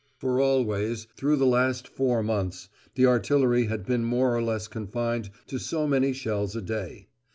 For always, through the last four months, the artillery had been more or less confined to so many shells a day.